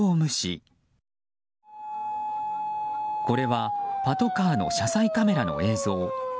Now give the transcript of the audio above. これはパトカーの車載カメラの映像。